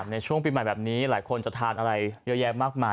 ในช่วงปีใหม่แบบนี้หลายคนจะทานอะไรเยอะแยะมากมาย